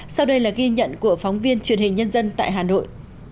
sau đây là ghi nhận của phóng viên truyền hình nhân dân tại hà nội